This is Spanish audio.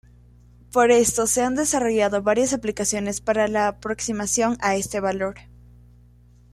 Por esto se han desarrollado varias aplicaciones para la aproximación a este valor.